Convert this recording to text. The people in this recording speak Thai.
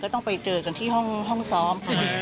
ต้องไปเจอกันที่ห้องซ้อมค่ะ